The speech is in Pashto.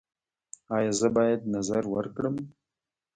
ایا زه باید نذر ورکړم؟